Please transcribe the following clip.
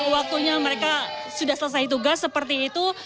waktunya mereka sudah selesai tugas seperti itu